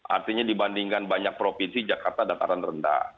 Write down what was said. artinya dibandingkan banyak provinsi jakarta dataran rendah